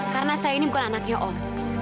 karena saya ini bukan anaknya om